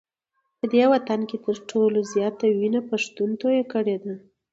په دې وطن کي تر ټولو زیاته وینه پښتون توی کړې ده